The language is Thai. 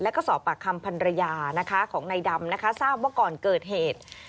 แล้วก็สอบปากคำพันรยานะคะของนายดำนะคะทราบว่าก่อนเกิดเหตุ